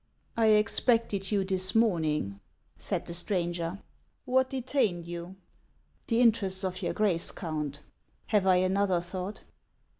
" I expected you this morning," said the stranger ;" what detained you ?" "The interests of your Grace, Count; have I another thought